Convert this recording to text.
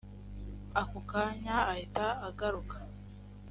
ako kanya ahita ahaguruka